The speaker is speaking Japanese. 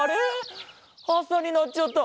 あさになっちゃった！